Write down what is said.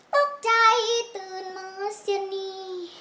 ตุ๊กใจตื่นมาเสียหนี